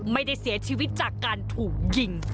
ไม่ได้เสียชีวิตจากการถูกยิง